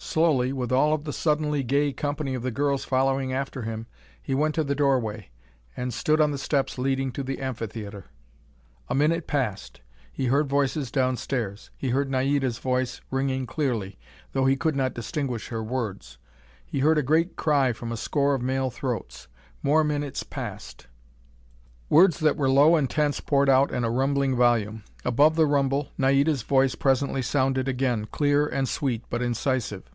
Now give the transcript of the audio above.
Slowly, with all of the suddenly gay company of girls following after him, he went to the doorway, and stood on the steps leading to the amphitheatre. A minute passed. He heard voices downstairs. He heard Naida's voice ringing clearly, though he could not distinguish her words. He heard a great cry from a score of male throats. More minutes passed. Words that were low and tense poured out in a rumbling volume. Above the rumble, Naida's voice presently sounded again, clear and sweet, but incisive.